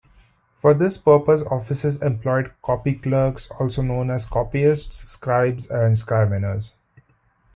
For this purpose offices employed copy clerks, also known as copyists, scribes, and scriveners.